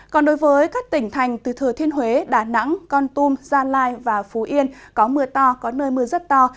còn đối với các tỉnh thành từ thừa thiên huế đà nẵng con tum gia lai và phú yên có mưa to có nơi mưa rất to